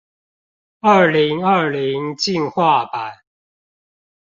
二零二零進化版